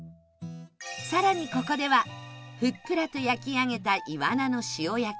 更にここではふっくらと焼き上げた岩魚の塩焼きや